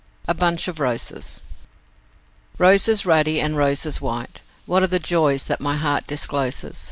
A Bunch of Roses Roses ruddy and roses white, What are the joys that my heart discloses?